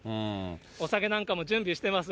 お酒なんかも準備してます。